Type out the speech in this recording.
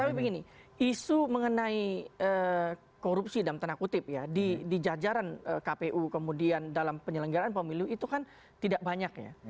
tapi begini isu mengenai korupsi dalam tanda kutip ya di jajaran kpu kemudian dalam penyelenggaraan pemilu itu kan tidak banyak ya